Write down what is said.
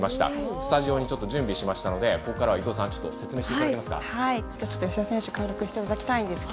スタジオに準備しましたのでここからは伊藤さん説明していただけますか。